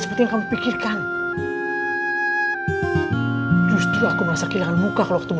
seperti yang kamu pikirkan justru aku merasa kehilangan muka kalau ketemu